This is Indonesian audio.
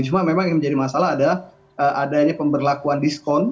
cuma memang yang menjadi masalah adalah adanya pemberlakuan diskon